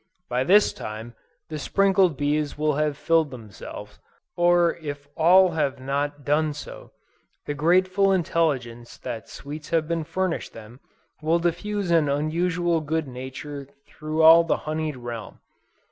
By this time, the sprinkled bees will have filled themselves, or if all have not done so, the grateful intelligence that sweets have been furnished them, will diffuse an unusual good nature through all the honied realm.